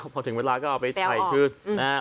พอถึงเวลาก็เอาไปไต่คืน